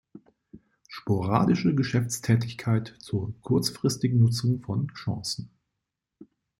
Sporadische Geschäftstätigkeit zur kurzfristigen Nutzung von Chancen.